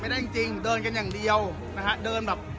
ไม่ได้จริงจริงเดินกันอย่างเดียวนะฮะเดินแบบ